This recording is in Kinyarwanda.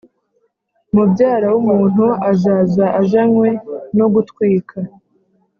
Mubyara w umuntu azaza azanywe no gutwika